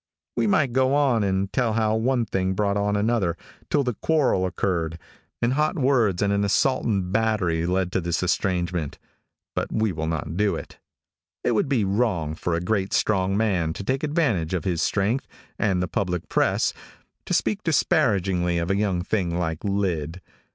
We might go on and tell how one thing brought on another, till the quarrel occurred, and hot words and an assault and battery led to this estrangement, but we will not do it. It would be wrong for a great, strong man to take advantage of his strength and the public press, to speak disparagingly of a young thing like Lyd.